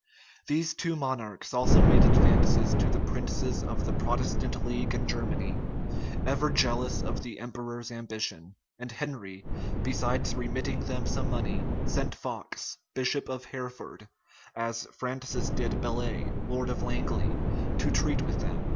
These two monarchs also made advances to the princes of the Protestant league in Germany, ever jealous of the emperor's ambition; and Henry, besides remitting them some money, sent Fox, bishop of Hereford, as Francis did Bellay, lord of Langley, to treat with them.